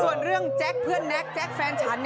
ส่วนเรื่องแจ๊คเพื่อนแน็กแก๊กแฟนฉัน